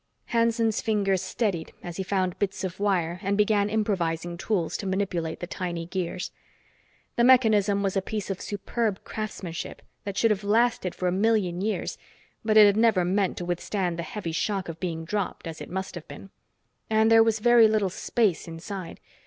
Hanson's fingers steadied as he found bits of wire and began improvising tools to manipulate the tiny gears. The mechanism was a piece of superb craftsmanship that should have lasted for a million years, but it had never been meant to withstand the heavy shock of being dropped, as it must have been. And there was very little space inside.